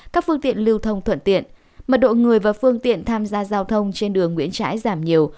các phương tiện lưu thông thuận tiện mật độ người và phương tiện tham gia giao thông trên đường nguyễn trãi giảm nhiều